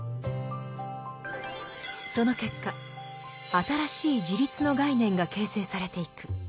その結果新しい自立の概念が形成されていく。